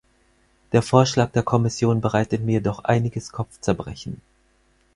Der Vorschlag der Kommission bereitet mir jedoch einiges Kopfzerbrechen.